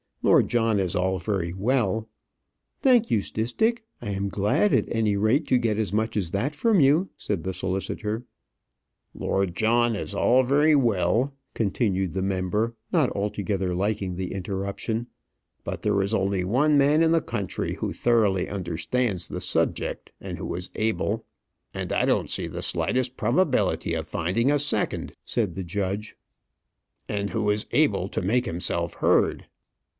Lord John is all very well " "Thank you, Stistick. I am glad, at any rate, to get as much as that from you," said the solicitor. "Lord John is all very well," continued the member, not altogether liking the interruption; "but there is only one man in the country who thoroughly understands the subject, and who is able " "And I don't see the slightest probability of finding a second," said the judge. "And who is able to make himself heard."